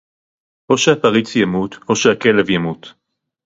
או שהפריץ ימות או שהכלב ימות